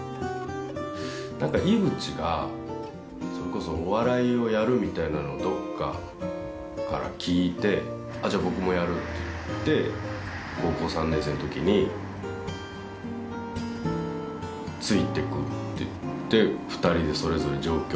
井口が、それこそお笑いをやるみたいなのをどっかから聞いてじゃあ僕もやるって言って高校３年生のときについていくって言って２人でそれぞれ上京。